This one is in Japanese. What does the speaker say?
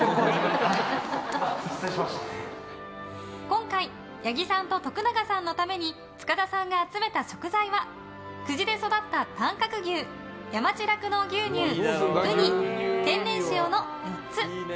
今回八木さんと徳永さんのために塚田さんが集めた食材は久慈で育った短角牛山地酪農牛乳ウニ、天然塩の３つ。